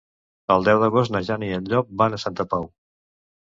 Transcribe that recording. El deu d'agost na Jana i en Llop van a Santa Pau.